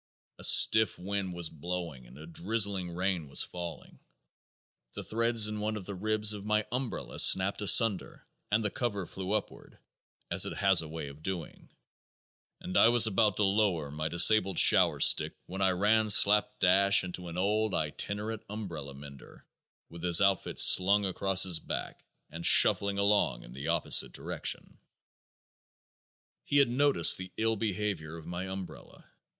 A stiff wind was blowing and a drizzling rain was falling. The threads in one of the ribs of my umbrella snapped asunder and the cover flew upward, as it has a way of doing, and I was about to lower my disabled shower stick when I ran slapdash into an old itinerant umbrella mender with his outfit slung across his back and shuffling along in the opposite direction. He had noticed the ill behavior of my umbrella.